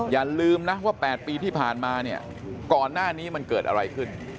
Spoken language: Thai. อย่าลืมนะว่า๘ปีที่ผ่านมาเนี่ยก่อนหน้านี้มันเกิดอะไรขึ้น